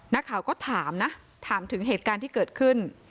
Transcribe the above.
นักข่าวก็ถามนะถามถึงเหตุการณ์ที่เกิดขึ้น